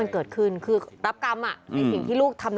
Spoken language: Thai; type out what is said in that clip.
พ่อของเอ่อค่ะ